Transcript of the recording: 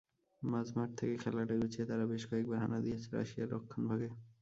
মাঝমাঠ থেকে খেলাটা গুছিয়ে তারা বেশ কয়েকবার হানা দিয়েছে রাশিয়ার রক্ষণভাগে।